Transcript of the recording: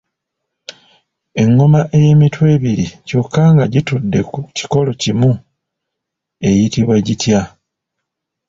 Engoma ey’emitwe ebiri kyokka nga gitudde ku kikolo kimu eyitibwa gitya?